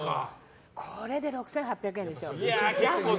これで６８００円ですよ。